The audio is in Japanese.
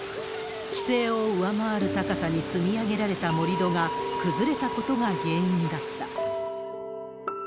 規制を上回る高さに積み上げられた盛り土が崩れたことが原因だった。